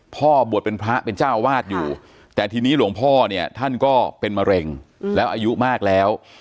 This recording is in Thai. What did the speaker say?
บวชเป็นพระเป็นเจ้าวาดอยู่แต่ทีนี้หลวงพ่อเนี่ยท่านก็เป็นมะเร็งแล้วอายุมากแล้ว